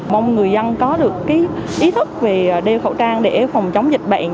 mong người dân có được ý thức về đeo khẩu trang để phòng chống dịch bệnh